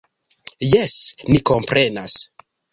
Jes, ni komprenas.